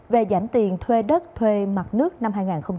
về giảm tiền thuê đất thuê mặt nước năm hai nghìn hai mươi